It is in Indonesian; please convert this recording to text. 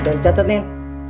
udah dicatat nin